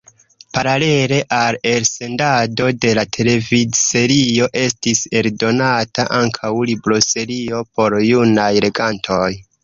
Paralele al elsendado de la televidserio estis eldonata ankaŭ libroserio por junaj legantoj.